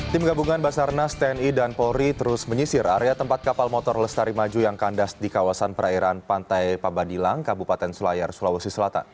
tim gabungan basarnas tni dan polri terus menyisir area tempat kapal motor lestari maju yang kandas di kawasan perairan pantai pabadilang kabupaten selayar sulawesi selatan